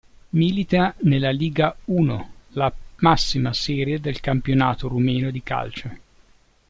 Milita nella Liga I, la massima serie del campionato rumeno di calcio.